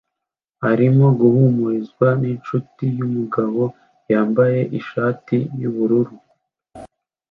arimo guhumurizwa ninshuti yumugabo yambaye ishati yubururu